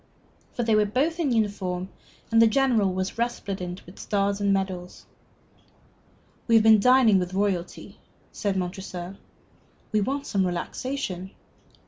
For they were both in uniform, and the General was resplendent with stars and medals. "We have been dining with royalty." said Montresor. "We want some relaxation."